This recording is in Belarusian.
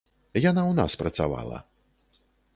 Яна ў нас працавала.